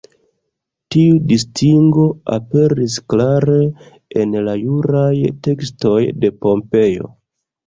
Tiu distingo aperis klare en la juraj tekstoj de Pompejo.